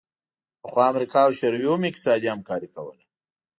پخوا امریکا او شوروي هم اقتصادي همکاري کوله